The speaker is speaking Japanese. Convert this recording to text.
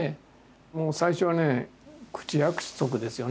もう最初はね口約束ですよね。